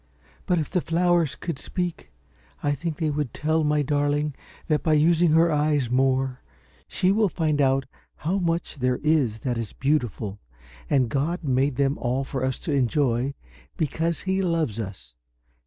But if the flowers could speak I think they would tell my darling that by using her eyes more, she will find out how much there is that is beautiful, and God made them all for us to enjoy, because he loves us.